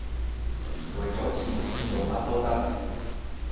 為咗錢，做乜都得